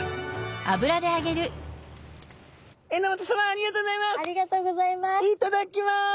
榎本さまありがとうございます！